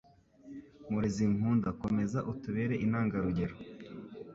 murezi nkunda komeza utubere intangarugero